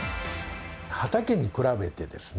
畑に比べてですね